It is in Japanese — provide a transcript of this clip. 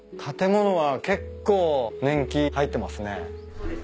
建物は結構年季入ってますね。